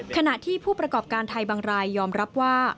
ขณะที่ผู้ประกอบการไทยบางรายยอมรับว่า